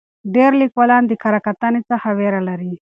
ډېر لیکوالان د کره کتنې څخه ویره لري.